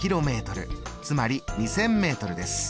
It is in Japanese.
つまり２０００ｍです。